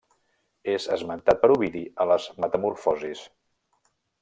És esmentat per Ovidi a les Metamorfosis.